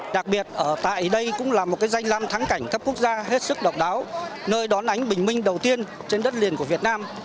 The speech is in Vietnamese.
đặc biệt ở tại đây cũng là một danh lam thắng cảnh cấp quốc gia hết sức độc đáo nơi đón ánh bình minh đầu tiên trên đất liền của việt nam